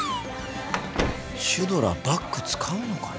シュドラバッグ使うのかな？